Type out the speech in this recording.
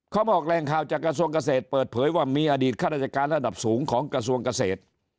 เขาบอกแรงข่าวจากกระทรวงเกษตรเปิดเผยว่ามีอดีตข้าราชการระดับสูงของกระทรวงเกษตร